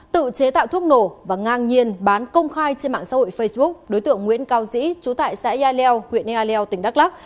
tự chế tạo thuốc nổ và ngang nhiên bán công khai trên mạng xã hội facebook đối tượng nguyễn cao dĩ chú tại xã yai leo huyện ea leo tỉnh đắk lắc